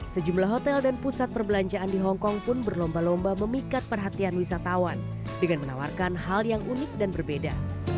sejumlah hotel dan pusat perbelanjaan di hongkong pun berlomba lomba memikat perhatian wisatawan dengan menawarkan hal yang unik dan berbeda